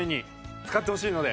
使ってほしいので！